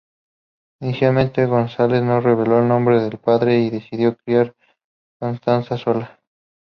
Inicialmente, González no reveló el nombre del padre y decidió criar a Constanza sola.